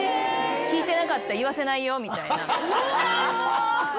聞いてなかった、言わせないよ、みたいな。